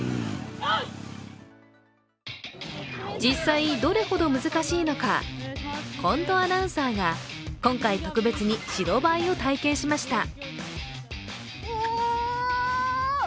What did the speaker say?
実際、どれほど難しいのか近藤アナウンサーが今回特別に白バイを体験しました。